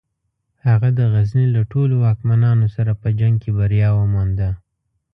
هغه د غزني له ټولو واکمنانو سره په جنګ کې بریا ومونده.